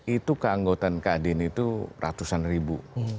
itu keanggotaan kadin itu ratusan ribu